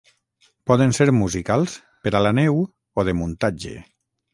Poden ser musicals, per a la neu o de muntatge.